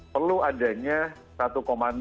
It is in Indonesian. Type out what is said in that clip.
perlu adanya satu kompetensi